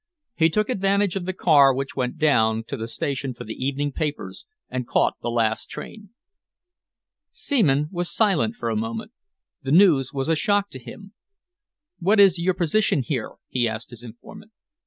He took advantage of the car which went down to the station for the evening papers and caught the last train." Seaman was silent for a moment. The news was a shock to him. "What is your position here?" he asked his informant.